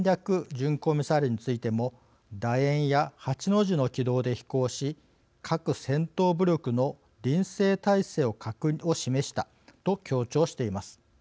巡航ミサイルについてもだ円や８の字の軌道で飛行し核戦闘武力の臨戦態勢を示したと強調しています。